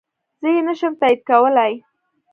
زه يي نشم تاييد کولی